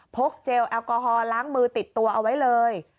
เจลแอลกอฮอลล้างมือติดตัวเอาไว้เลย